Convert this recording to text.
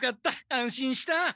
安心した！